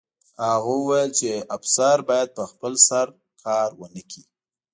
هغه وویل چې افسر باید په خپل سر کار ونه کړي